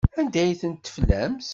Anda ay tent-teflamt?